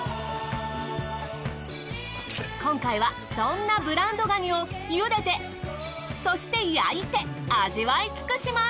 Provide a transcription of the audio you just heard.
今回はそんなブランドガニを茹でてそして焼いて味わい尽くします。